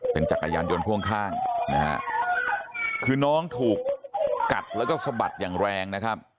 เป็นจักรยานยนต์พ่วงข้างนะฮะคือน้องถูกกัดแล้วก็สะบัดอย่างแรงนะครับ